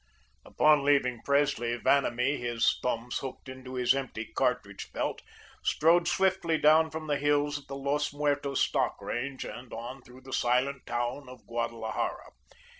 Upon leaving Presley, Vanamee, his thumbs hooked into his empty cartridge belt, strode swiftly down from the hills of the Los Muertos stock range and on through the silent town of Guadalajara.